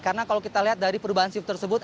karena kalau kita lihat dari perubahan shift tersebut